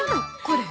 これ。